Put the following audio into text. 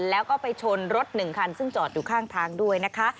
แล้วก็ไปชนรถหนึ่งคันซึ่งจอดอยู่ข้างทางด้วยนะคะ